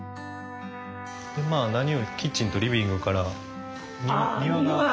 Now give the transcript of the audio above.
まあ何よりもキッチンとリビングから庭が。